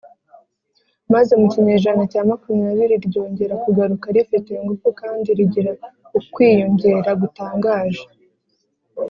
maze mu kinyejana cya makumyabiri ryongera kugaruka rifite ingufu kandi rigira ukwiyongera gutangaje.